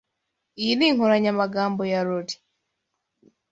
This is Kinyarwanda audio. Iyi ni inkoranyamagambo ya Laurie.